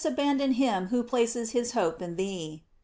785 abandon him who places his hope in thee.